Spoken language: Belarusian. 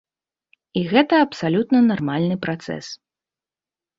І гэта абсалютна нармальны працэс.